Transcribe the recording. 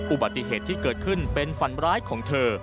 อุบัติเหตุที่เกิดขึ้นเป็นฝันร้ายของเธอ